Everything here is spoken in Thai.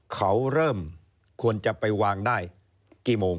เขาเริ่มควรจะไปวางได้กี่โมง